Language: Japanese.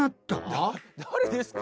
誰ですか？